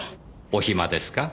お暇ですか？